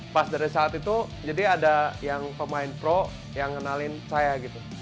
pas dari saat itu jadi ada yang pemain pro yang ngenalin saya gitu